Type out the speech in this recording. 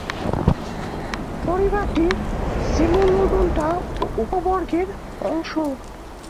পরিবারটি সিমোলোডোন্টা উপবর্গের অংশ।